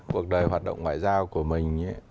cuộc đời hoạt động ngoại giao của mình ấy